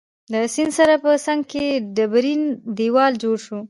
له سیند سره په څنګ کي ډبرین دیوال جوړ وو.